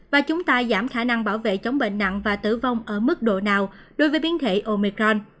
và chúng ta giảm khả năng bảo vệ chống bệnh nặng và tử vong ở mức độ nào đối với biến thể omecron